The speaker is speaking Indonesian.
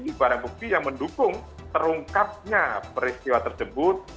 ibarat bukti yang mendukung terungkapnya peristiwa tersebut